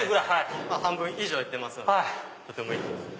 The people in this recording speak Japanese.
半分以上行ってますんでとてもいいと思います。